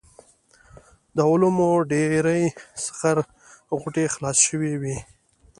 د علومو ډېرې سخر غوټې خلاصې شوې وې.